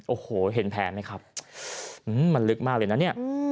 โอ้โหเห็นแผลไหมครับมันลึกมากเลยนะเนี่ย